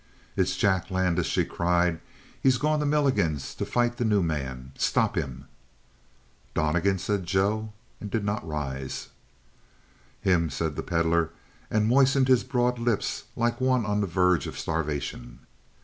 "It's Jack Landis!" she cried. "He's gone to Milligan's to fight the new man. Stop him!" "Donnegan?" said Joe, and did not rise. "Him?" said the Pedlar, and moistened his broad lips like one on the verge of starvation.